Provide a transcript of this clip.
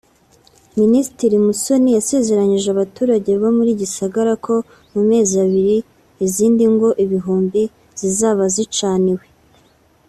Minisitiri Musoni yasezeranyije abaturage bo muri Gisagara ko mu mezi abiri izindi ngo ibihumbi zizaba zicaniwe